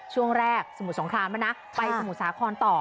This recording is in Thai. ช่วงแรกสมุทรสงครามแล้วนะไปสมุทรสาครต่อ